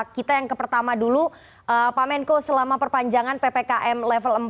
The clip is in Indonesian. kita yang ke pertama dulu pak menko selama perpanjangan ppkm level empat